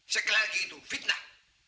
sekali lagi itu fitnah